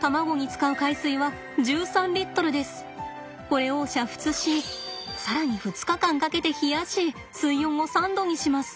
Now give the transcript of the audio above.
これを煮沸し更に２日間かけて冷やし水温を３度にします。